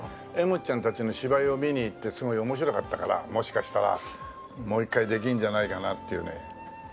もっちゃんたちの芝居を見に行ってすごい面白かったからもしかしたらもう一回できるんじゃないかなっていうね。